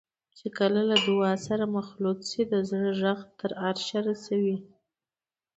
چې کله له دعا سره مخلوط شي د زړه غږ تر عرشه رسوي.